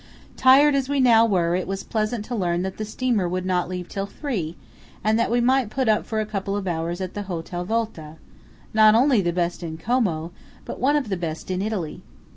Tired as we now were, it was pleasant to learn that the steamer would not leave till three, and that we might put up for a couple of hours at the hotel Volta–not only the best in Como, but one of the best in Italy.